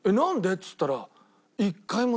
っつったら。